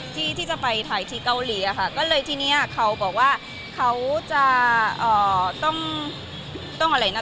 ที่จะไปถ่ายที่เกาหลีอะค่ะก็เลยทีเนี้ยเขาบอกว่าเขาจะต้องต้องอะไรนะ